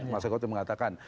mas hekwati mengatakan